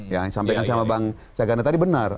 yang sampaikan sama bang jagana tadi benar